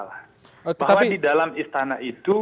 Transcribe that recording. bahwa di dalam istana itu